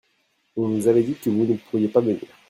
on nous avait dit que vous ne pourriez pas venir.